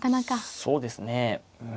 そうですねうん。